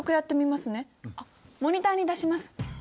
あっモニターに出します。